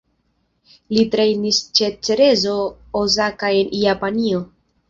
Li trejnis ĉe Cerezo Osaka en Japanio.